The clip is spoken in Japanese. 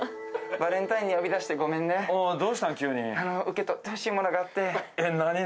バレンタインに呼び出してごめんね、受け取ってほしいものがあって。